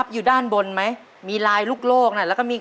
ขอเชิญแสงเดือนมาต่อชีวิตเป็นคนต่อชีวิตเป็นคนต่อชีวิต